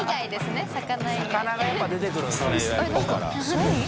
何？